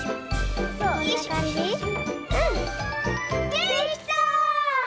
できた！